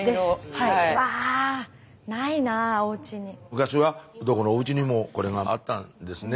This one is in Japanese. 昔はどこのおうちにもこれがあったんですね。